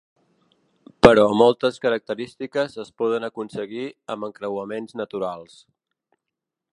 Però moltes característiques es poden aconseguir amb encreuaments naturals.